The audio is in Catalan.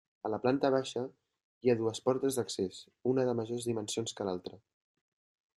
A la planta baixa hi ha dues portes d'accés, una de majors dimensions que l'altra.